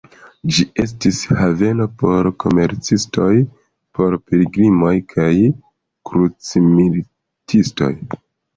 Ĝi estis haveno por komercistoj, por pilgrimoj kaj krucmilitistoj.